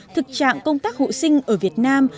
thực trạng công tác hộ sinh ở việt nam